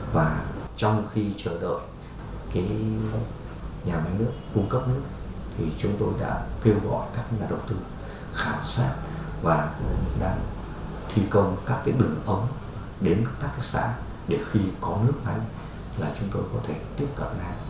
và trong khi chờ đợi nhà máy nước cung cấp nước chúng tôi đã kêu gọi các nhà đầu tư khảo sát và đang thi công các đường ấm đến các xã để khi có nước ánh là chúng tôi có thể tiếp cận lại